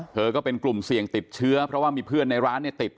ก็เป็นกลุ่มเสี่ยงติดเชื้อเพราะว่ามีเพื่อนในร้านเนี่ยติด